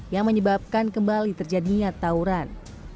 yang menyebabkan kembali terjadinya tawuran